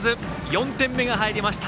４点目が入りました。